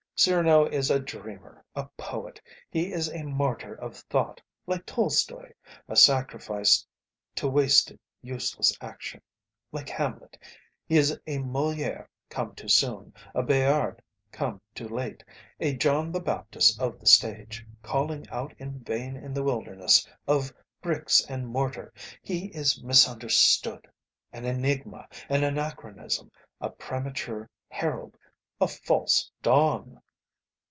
Cyrano is a dreamer, a poet; he is a martyr of thought like Tolstoi, a sacrifice to wasted, useless action, like Hamlet; he is a Moliere come too soon, a Bayard come too late, a John the Baptist of the stage, calling out in vain in the wilderness of bricks and mortar; he is misunderstood; an enigma, an anachronism, a premature herald, a false dawn."